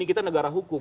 kita negara hukum